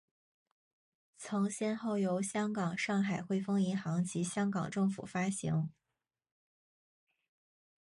曾先后由香港上海汇丰银行及香港政府发行。